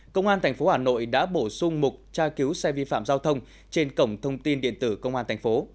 công an tp hà nội đã bổ sung mục tra cứu xe vi phạm giao thông trên cổng thông tin điện tử công an thành phố